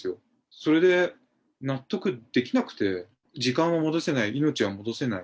それで納得できなくて、時間を戻せない、命は戻せない。